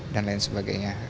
dan lain sebagainya